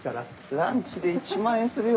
ランチで１万円するよ。